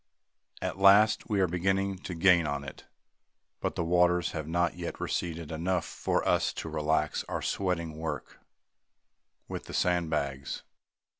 At last we are beginning to gain on it; but the waters have not yet receded enough for us to relax our sweating work with the sand bags.